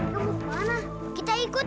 betapa kaya kepteknya brown